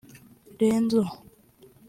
Lenzo